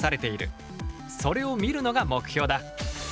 それを見るのが目標だ。